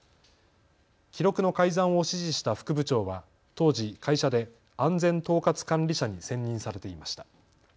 記録の改ざんを指示した副部長は当時、会社で安全統括管理者に選任されていました。